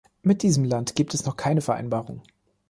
Mit diesem Land gibt es noch keine Vereinbarung.